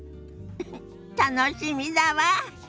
ウフ楽しみだわ！